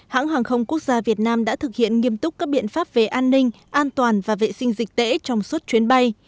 hãng hàng không quốc gia việt nam đã thực hiện nghiêm túc các biện pháp về an ninh an toàn và vệ sinh dịch tễ trong suốt chuyến bay